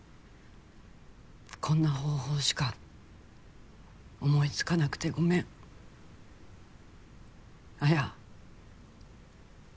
「こんな方法しか思いつかなくてごめん」「綾」